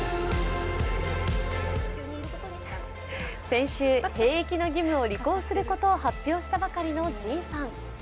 先週、兵役の義務を履行することを発表したばかりのＪＩＮさん。